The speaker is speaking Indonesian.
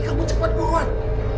kamu cepat keluar